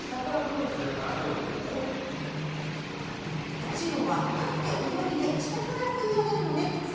タチウオは立って泳いで下から食い上げるのでさ